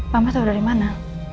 mama tahu dari mana